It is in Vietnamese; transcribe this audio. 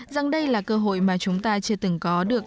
rằng đây là cơ hội mà chúng ta chưa từng có được